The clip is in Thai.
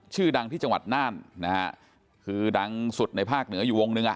ชื่อดังที่จังหวัดน่านนะฮะคือดังสุดในภาคเหนืออยู่วงหนึ่งอ่ะ